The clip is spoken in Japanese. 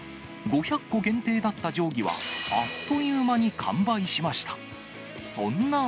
５００個限定だった定規はあっという間に完売しました。